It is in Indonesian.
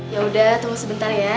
yaudah tunggu sebentar ya